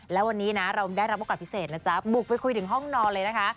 แล้ววันนี้นะเราได้รับโอกาสพิเศษนะจ๊ะบุกไปคุยถึงห้องนอนเลยนะคะ